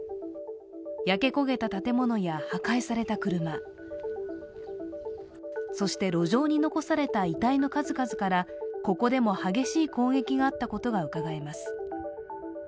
焼け焦げた建物や破壊された車そして路上に残された遺体の数々からここでも激しい攻撃があったことがうかがえます。